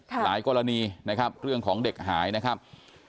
หลายกรณีนะครับเรื่องของเด็กหายนะครับ